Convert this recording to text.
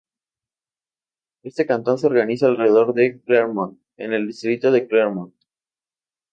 Este cantón se organiza alrededor de Clermont, en el distrito de Clermont.